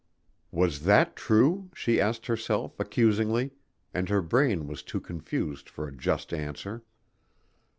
Was that true? she asked herself, accusingly, and her brain was too confused for a just answer.